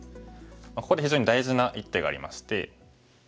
ここで非常に大事な一手がありまして。